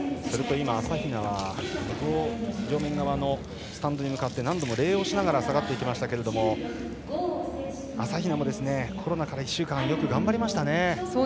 朝比奈、向こう正面側のスタンドに向かって何度も礼をしながら下がっていきましたが朝比奈もコロナ禍でよく頑張りましたね。